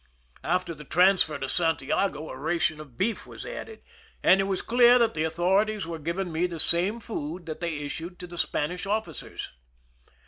After the transfer to Santiago a ration of beef was added, and it was clear that the authorities were giving me the same food that was issued to the Spanish ofl&cers.